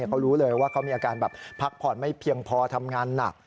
เขารู้เลยว่าเขามีอาการแบบพักผ่อนไม่เพียงพอทำงานหนัก